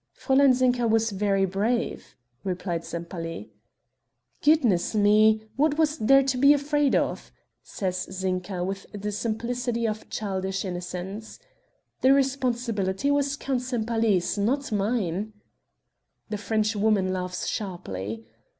"Fräulein Zinka was very brave," replied Sempaly. "Goodness me! what was there to be afraid of;" says Zinka with the simplicity of childish innocence. "The responsibility was Count Sempaly's not mine." The French woman laughs sharply.